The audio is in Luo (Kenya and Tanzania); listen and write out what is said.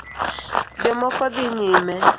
Jomoko dhi nyime